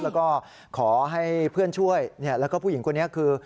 แล้วก็ขอให้เพื่อนช่วยแล้วก็ผู้หญิงคนนี้คือ